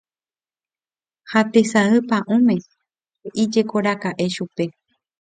ha tesay pa'ũme he'íjekoraka'e chupe